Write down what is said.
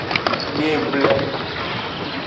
De eble.